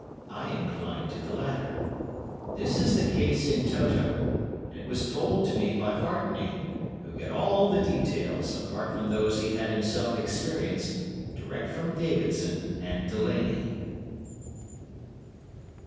I incline to the latter. This is the case in toto, and it was told to me by Hartney, who got all the details, apart from those he had himself experienced, direct from Davidson and Delaney."